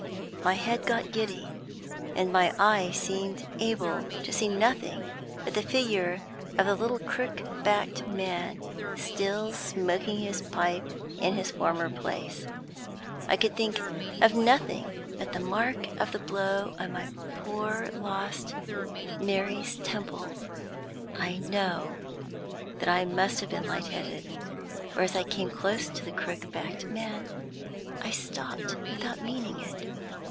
My head got giddy, and my eyes seemed able to see nothing but the figure of the little crook backed man, still smoking his pipe in his former place. I could see nothing but that; I could think of nothing but the mark of the blow on my poor lost Mary's temple. I know that I must have been light headed, for as I came close to the crook backed man I stopped without meaning it.